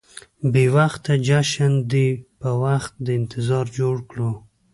بې وخته جشن دې په وخت د انتظار جوړ کړو.